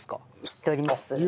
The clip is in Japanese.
知っております。